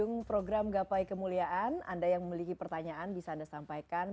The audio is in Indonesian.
gapai kemuliaan anda yang memiliki pertanyaan bisa anda sampaikan